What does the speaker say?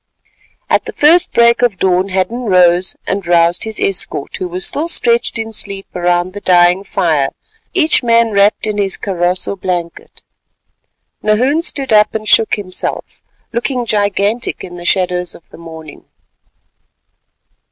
At the first break of dawn Hadden rose and roused his escort, who were still stretched in sleep around the dying fire, each man wrapped in his kaross or blanket. Nahoon stood up and shook himself, looking gigantic in the shadows of the morning.